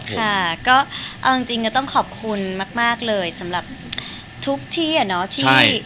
ค่ะก็เอาจริงก็ต้องขอบคุณมากเลยสำหรับทุกที่